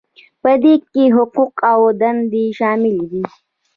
په دې کې حقوق او دندې شاملې دي.